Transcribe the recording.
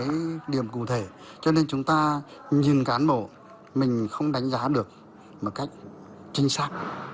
cái điểm cụ thể cho nên chúng ta nhìn cán bộ mình không đánh giá được một cách chính xác